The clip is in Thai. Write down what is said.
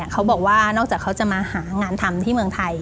เขาบอกว่านอกจากเขาจะมาหางานทำที่เมืองไทย